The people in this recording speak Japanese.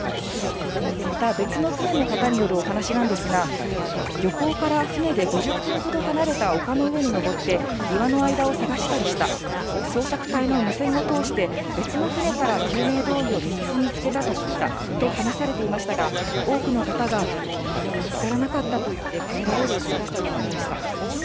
また、別の船の方によるお話なんですが、漁港から船で５０分ほど離れた丘の上に登って岩の間を捜したりした、捜索隊の無線を通して、別の船から救命胴衣を３つ見つけたと聞いたと話されていましたが、多くの方が何も見つからなかったと言って帰られる姿がありました。